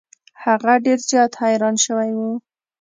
هغه ډیر زیات حیران شوی و.